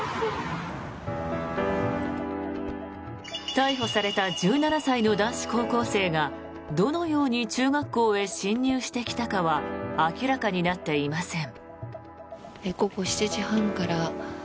逮捕された１７歳の男子高校生がどのように中学校へ侵入してきたかは明らかになっていません。